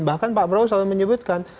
bahkan pak prabowo selalu menyebutkan